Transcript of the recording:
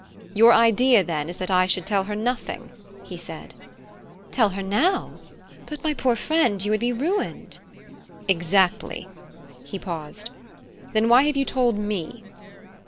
"Your idea, then, is that I should tell her nothing?" he said. "Tell her now? But, my poor friend, you would be ruined!" "Exactly." He paused. "Then why have you told _me?